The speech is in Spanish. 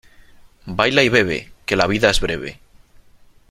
Baila y bebe, que la vida es breve.